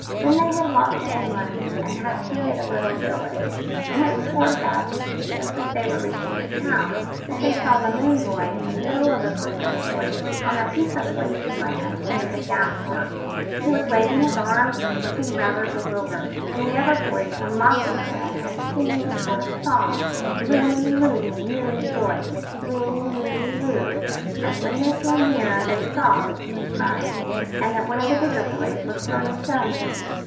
Then they had walked inland and had tea at a little village; and it was toward dusk, just as they were reaching the town, that they saw the moon boy in the middle of a group of boys on a piece of waste land near the gas works. He was waving his arms and looking rather bewildered, and the other boys were mocking him and singing a sort of song, "Loony, loony, moon boy; loony, loony, loo"; and when they came nearer they saw that he was crying, and that one of the bigger boys was throwing stones at him.